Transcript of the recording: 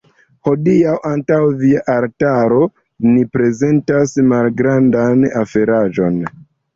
Hodiaǔ, antaǔ via altaro, ni prezentas malgrandan oferaĵon.